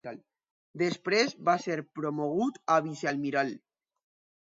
Després va ser promogut a Vicealmirall.